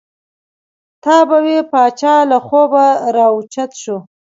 تا به وې پاچا له خوبه را او چت شو.